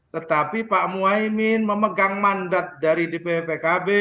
tetapi pak muhaymin memegang mandat dari dpw pkb